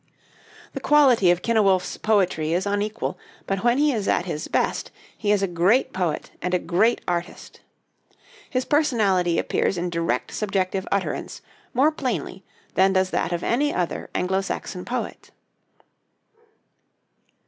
The quality of Cynewulf's poetry is unequal; but when he is at his best, he is a great poet and a great artist. His personality appears in direct subjective utterance more plainly than does that of any other Anglo Saxon poet.